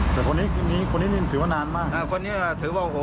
แต่คนนี้คนนี้นี่ถือว่านานมากอ่าคนนี้ถือว่าโอ้โห